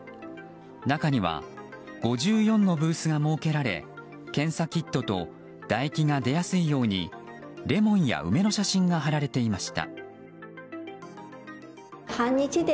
中には５４のブースが設けられ検査キットと唾液が出やすいようにレモンや梅の写真が貼られていました。